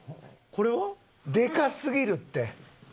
これは？でかすぎるって。